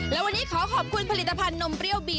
และวันนี้ขอขอบคุณผลิตภัณฑ์นมเปรี้ยวบี